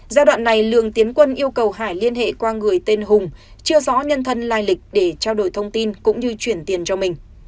giai đoạn này lường tiến quân yêu cầu hải liên hệ qua người tên hùng chưa rõ nhân thân lai lịch để trao đổi thông tin cũng như chuyển tiền cho mình